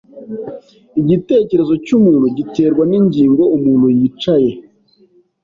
Igitekerezo cyumuntu giterwa ningingo umuntu yicaye.